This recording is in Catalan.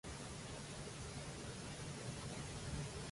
Aquesta era la primera mort d'un U-Boot per part d'una corbeta.